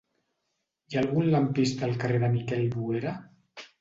Hi ha algun lampista al carrer de Miquel Boera?